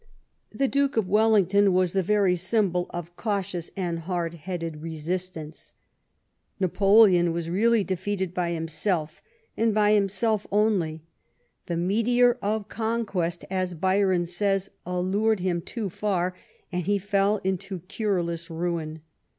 The Duke of Wellington was the very symbol of 34 THE STORY OF GLADSTONES LIFE cautious and hard headed resistance. Napoleon was really defeated by himself, and by himself only. " The meteor of conquest," as Byron says, " allured him too far," and he fell into cureless ruin.